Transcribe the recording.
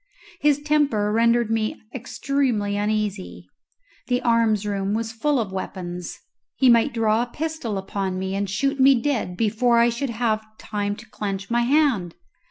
His temper rendered me extremely uneasy. The arms room was full of weapons; he might draw a pistol upon me and shoot me dead before I should have time to clench my hand.